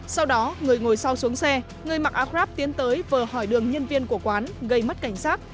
sau đó người ngồi sau xuống xe người mặc áo grab tiến tới vờ hỏi đường nhân viên của quán gây mất cảnh sát